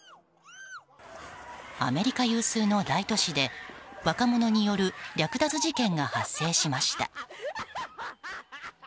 アメリカ有数の大都市で若者による略奪事件が発生しました。